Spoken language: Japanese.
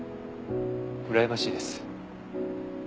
うらやましいです。